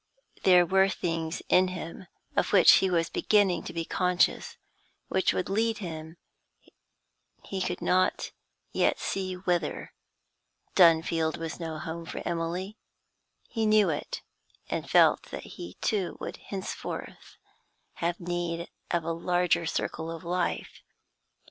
There were things in him of which he was beginning to be conscious, which would lead him he could not yet see whither. Dunfield was no home for Emily; he knew it, and felt that he, too, would henceforth have need of a larger circle of life.